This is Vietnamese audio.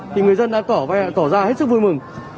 thì người dân đã tỏ ra hết sức vui mừng